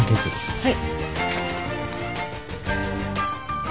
はい。